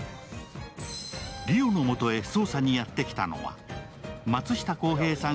梨央のもとへ捜査へやってきたのは松下洸平さん